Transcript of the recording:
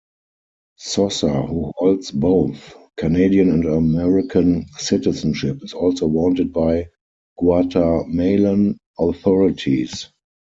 Sosa, who holds both Canadian and American citizenship is also wanted by Guatemalan authorities.